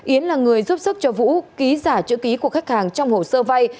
yến là người giúp sức cho vũ ký giả chữ ký của khách hàng trong hồ sơ vay